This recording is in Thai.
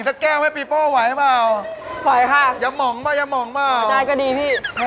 เชิญมาจากนี้ค่ะ